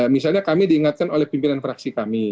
misalnya kami diingatkan oleh pimpinan fraksi kami